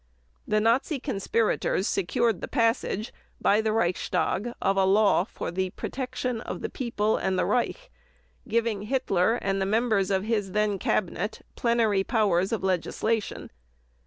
The Nazi conspirators secured the passage by the Reichstag of a "Law for the Protection of the People and the Reich" giving Hitler and the members of his then cabinet plenary powers of legislation.